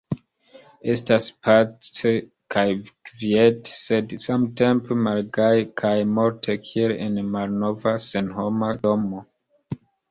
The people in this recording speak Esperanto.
Estas pace kaj kviete sed samtempe malgaje kaj morte kiel en malnova, senhoma domo.